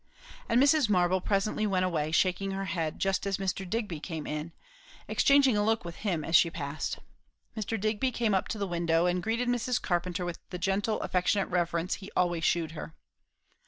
And Mrs. Marble presently went away, shaking her head, just as Mr. Digby came in; exchanging a look with him as she passed. Mr. Digby came up to the window, and greeted Mrs. Carpenter with the gentle affectionate reverence he always shewed her.